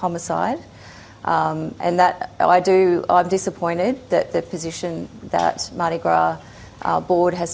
dan saya terkejut dengan posisi yang telah diambil oleh pertama mardi gras